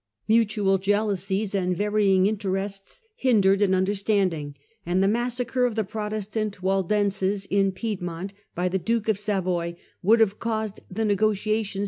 Mutual jealousies however and varying interests hindered an understanding, and the massacre of the Protestant Waldenses in Piedmont by the JJuke of Savoy would have caused the negotiations 1655 >657 The English Alliance .